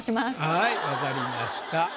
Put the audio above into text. はい分かりました。